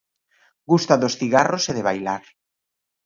Gusta dos cigarros e de bailar.